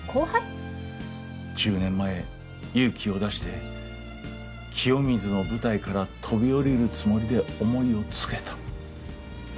１０年前勇気を出して清水の舞台から飛び降りるつもりで思いを告げた。